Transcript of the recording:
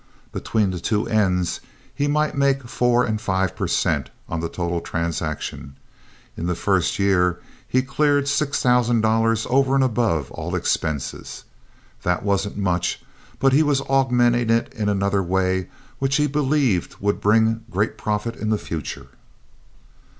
Between the two ends he might make four and five per cent. on the total transaction. In the first year he cleared six thousand dollars over and above all expenses. That wasn't much, but he was augmenting it in another way which he believed would bring great profit in the future.